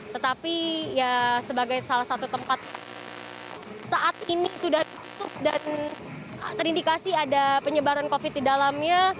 tetapi ya sebagai salah satu tempat saat ini sudah tutup dan terindikasi ada penyebaran covid di dalamnya